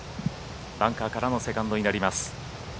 バンカーからのセカンドになります。